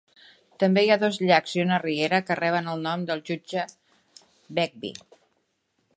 També hi ha dos llacs i una riera que reben el nom del jutge Begbie.